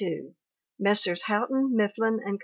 Messrs. Houghton, Mifflin and Co.